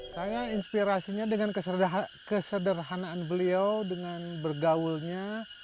saya inspirasinya dengan kesederhanaan beliau dengan bergaulnya